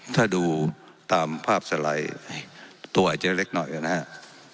ถ้าดูตามภาพสไลด์ตัวอาจจะเล็กหน่อยนะครับ